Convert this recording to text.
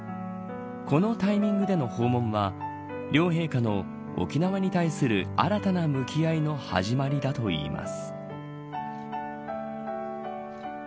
このタイミングでの訪問は両陛下の沖縄に対する新たな向き合いの始まりだといいます。